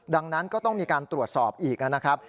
ดังนั้นก็ต้องมีการตรวจสอบอีกนะครับ